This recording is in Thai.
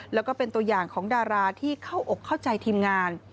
แล้วก็เป็นตัวอย่างของดาราที่เข้าอกเข้าใจทีมงาน